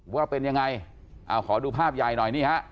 ว่าเป็นยังไงเอาขอดูภาพใหญ่หน่อยนี่ฮะ